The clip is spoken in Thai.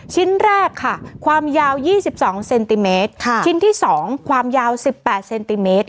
ชิ้นแรกค่ะความยาว๒๒เซนติเมตรชิ้นที่๒ความยาว๑๘เซนติเมตร